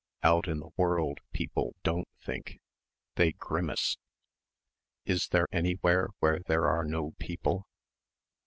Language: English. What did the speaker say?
Out in the world people don't think.... They grimace.... Is there anywhere where there are no people?